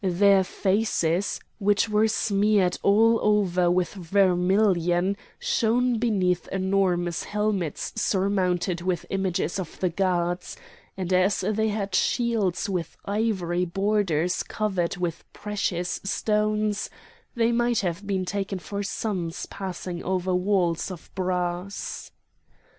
Their faces, which were smeared all over with vermilion, shone beneath enormous helmets surmounted with images of the gods; and, as they had shields with ivory borders covered with precious stones, they might have been taken for suns passing over walls of brass.